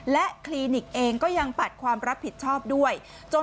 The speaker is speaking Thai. และคลินิกเองก็ยังปัดความรับผิดชอบด้วย